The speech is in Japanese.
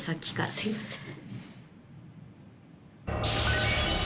すいません。